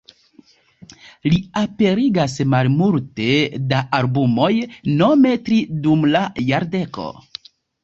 Li aperigas malmulte da albumoj, nome tri dum la jardeko.